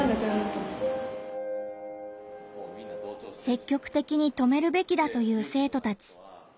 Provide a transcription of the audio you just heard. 積極的に止めるべきだと言う生徒たち。